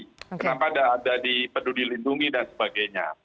kenapa ada di peduli lindungi dan sebagainya